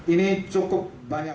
ini cukup banyak